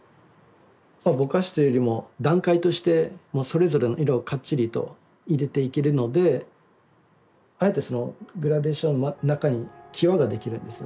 まあぼかしというよりも段階としてそれぞれの色をかっちりと入れていけるのであえてそのグラデーションの中にキワが出来るんですよね。